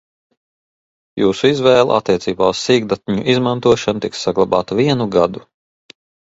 Jūsu izvēle attiecībā uz sīkdatņu izmantošanu tiks saglabāta vienu gadu.